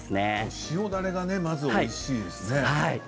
塩だれがまずおいしいですね。